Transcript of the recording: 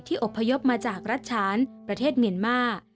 อบพยพมาจากรัฐฉานประเทศเมียนมาร์